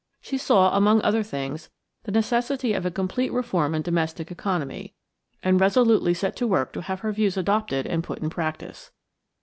She saw, among other things, the necessity of a complete reform in domestic economy, and resolutely set to work to have her views adopted and put in practice.